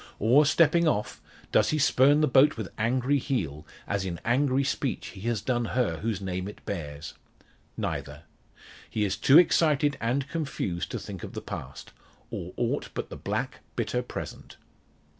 Or, stepping off, does he spurn the boat with angry heel, as in angry speech he has done her whose name it bears? Neither. He is too excited and confused to think of the past, or aught but the black bitter present.